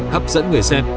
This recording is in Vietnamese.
hấp dẫn người xem